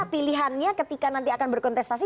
pilihannya ketika nanti akan berkontestasi